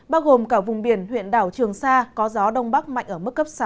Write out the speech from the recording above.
bao gồm cả vùng biển huyện đảo trường sa có gió đông bắc mạnh ở mức cấp sáu